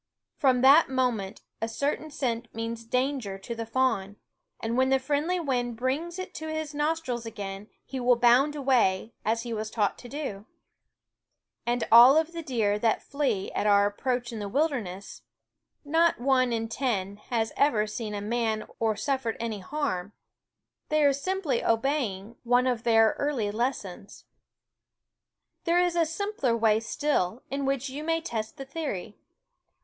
From that moment a certain scent means danger to the fawn, and when the friendly wind brings it to his /> 9 <AV THE WOODS & nostrils again he will bound away, as he was taught to do. And of all deer that flee at ^,*> r *'.... Onffielt&y our approach in the wilderness, not one in ten f o School has ever seen a man or suffered any harm ; they are simply obeying one of their early lessons. There is a simpler way still, in which you may test the theory.